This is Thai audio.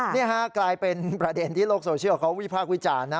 นี่ฮะกลายเป็นประเด็นที่โลกโซเชียลเขาวิพากษ์วิจารณ์นะ